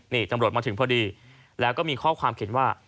นี่ตำรวจมาถึงพอดีแล้วก็มีข้อความเขียนว่า